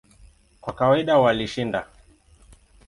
Kwa kawaida walishinda.